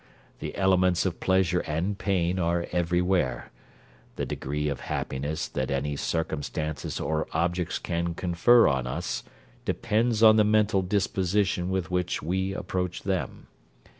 The elements of pleasure and pain are every where. The degree of happiness that any circumstances or objects can confer on us depends on the mental disposition with which we approach them.